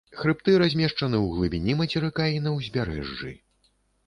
Хрыбты размешчаны ў глыбіні мацерыка і на ўзбярэжжы.